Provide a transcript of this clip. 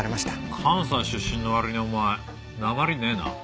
関西出身の割にお前なまりねえな。